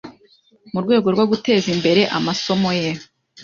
Mu rwego rwo guteza imbere amasomo ye